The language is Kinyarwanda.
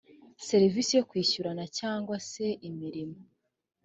serivisi yo kwishyurana cyangwa se imirimo